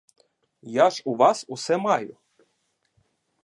Я ж у вас усе маю.